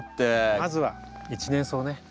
まずは一年草ね。